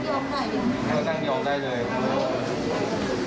ตอนนี้นั่งได้เหรอ